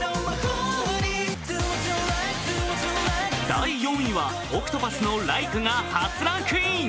第４位はＯＣＴＰＡＴＨの「Ｌｉｋｅ」が初ランクイン。